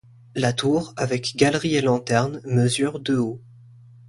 La tour, avec galerie et lanterne, mesure de haut.